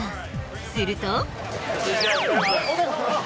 すると。